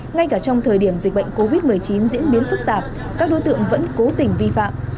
ngay cả trong thời điểm dịch bệnh covid một mươi chín diễn biến phức tạp các đối tượng vẫn cố tình vi phạm